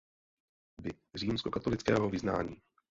By římskokatolického vyznání.